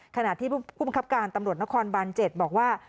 ขณะที่คุมครับการตำรวจนครบรรเจ็ดบอกว่า